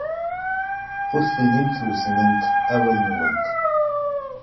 Ur tellimt twezznemt awal-nwent.